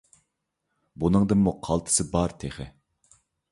بۇنىڭدىنمۇ قالتىسى بار تېخى!